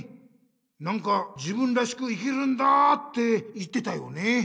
なんか「自分らしく生きるんだ」って言ってたよね。